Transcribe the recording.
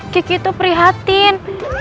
kiki tuh prihatin